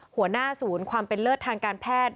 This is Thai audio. หัวหน้าศูนย์ความเป็นเลิศทางการแพทย์